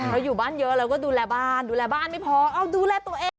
เราอยู่บ้านเยอะเราก็ดูแลบ้านดูแลบ้านไม่พอเอาดูแลตัวเอง